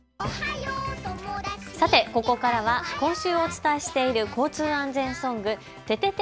ここからは今週お伝えしている交通安全ソングててて！